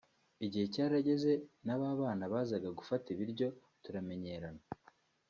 Igihe cyarageze na ba bana bazaga gufata ibiryo turamenyerana